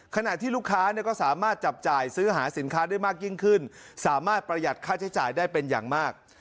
ขณะที่ลูกค้าก็สามารถจับจ่ายซื้อหาสินค้าได้มากยิ่งขึ้นสามารถประหยัดค่าใช้จ่ายได้เป็นอย่างมาก